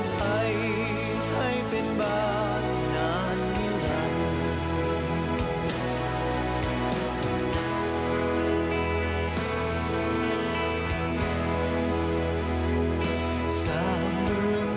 จริงจริงจริงจริง